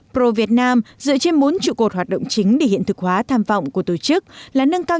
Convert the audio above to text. pro việt nam dựa trên bốn trụ cột hoạt động chính để hiện thực hóa tham vọng của tổ chức là nâng cao